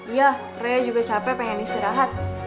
iya rea juga capek pengen istirahat